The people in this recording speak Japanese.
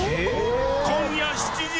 今夜７時。